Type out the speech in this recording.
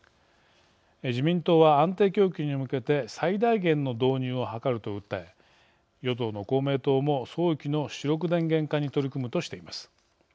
自民党は安定供給に向けて最大限の導入を図ると訴え与党の公明党も早期の主力電源化に取り組むとしています。